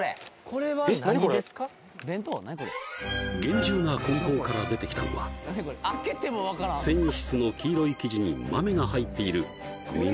これ厳重なこん包から出てきたのは繊維質の黄色い生地に豆が入っている見